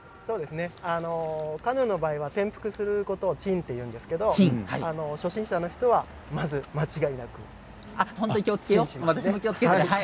カヌーの場合は転覆することを沈って言うんですけど初心者の人はまず間違いなく沈します。